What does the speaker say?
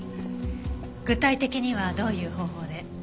具体的にはどういう方法で？